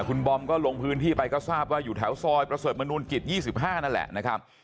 คุณบอมก็ลงพื้นที่ไปก็ทราบว่าอยู่แถวซอยประเสริฐมนุนกิจ๒๕นั่นแหละนะครับ